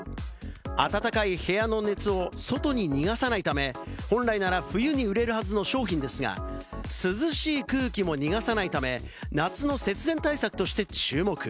暖かい部屋の熱を外に逃がさないため、本来なら冬に売れるはずの商品ですが、涼しい空気も逃がさないため、夏の節電対策として注目。